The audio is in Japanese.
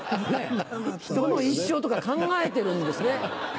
人の一生とか考えてるんですね。